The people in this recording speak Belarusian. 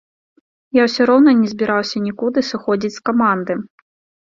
Я ўсё роўна не збіраўся нікуды сыходзіць з каманды.